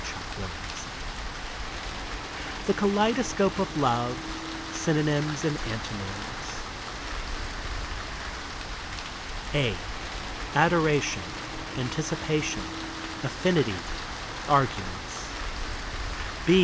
r 121 1 DAY DREAMS THE KALEIDOSCOPE OF LOVE Synonyms and Antonyms A — Adoration — Anticipation — Affinity — Arguments.